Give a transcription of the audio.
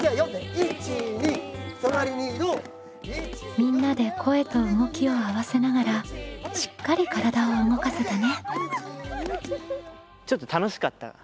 みんなで声と動きを合わせながらしっかり体を動かせたね。